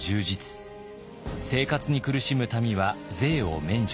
生活に苦しむ民は税を免除。